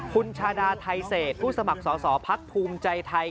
คุณชาดาไทเศษผู้สมัครสอสอพักภูมิใจไทย